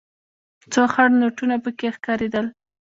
څو خړ نوټونه پکې ښکارېدل.